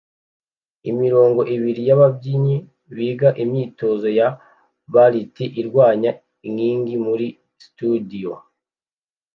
Imirongo ibiri yababyinnyi biga imyitozo ya ballet irwanya inkingi muri studio